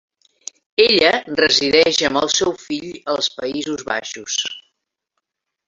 Ella resideix amb el seu fill als Països Baixos.